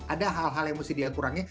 ada hal hal yang mesti dia kurangi